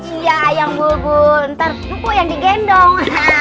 iya yang bobo ntar itu po yang digendong